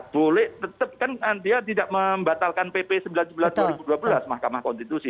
boleh tetap kan dia tidak membatalkan pp sembilan puluh sembilan dua ribu dua belas mahkamah konstitusi